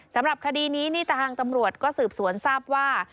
สำหรับคดีนี้นี่ทางตำรวจก็สืบสวนทราบว่า